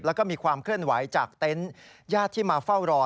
แล้วก็มีความเคลื่อนไหวจากเต็นต์ญาติที่มาเฝ้ารอ